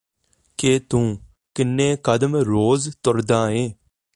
ਕਿ ਤੂੰ ਕਿੰਨੇ ਕਦਮ ਰੋਜ਼ ਤੁਰਦਾ ਏਂ